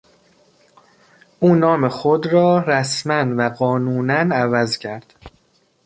او نام خود را رسما و قانونا عوض کرد.